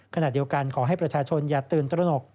ขณะเดียวกันขอให้ประชาชนอย่าตื่นตระหนก